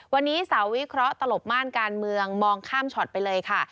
วันนี้เสาวิเคราะห์ตลบม่านการเมืองมองข้ามช็อตไปเลยค่ะ